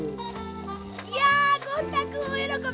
いやゴン太くんおおよろこび！